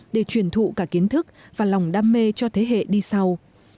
để truyền thụ cả kiến thức và lòng đam mê cho thế hệ đi sau